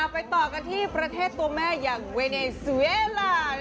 ไปต่อกันที่ประเทศตัวแม่อย่างเวเนซูเอล่า